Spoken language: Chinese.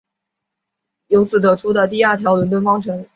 由此得出第二条伦敦方程。